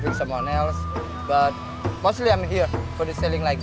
tapi kebanyakan saya di sini untuk menjual seperti itu